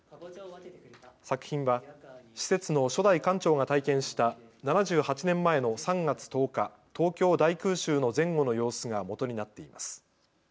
作品は施設の初代館長が体験した７８年前の３月１０日、東京大空襲の前後の様子がもとになっています。